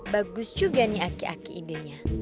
bagus juga nih aki aki idenya